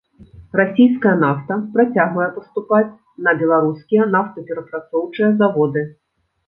Расійская нафта працягвае паступаць на беларускія нафтаперапрацоўчыя заводы.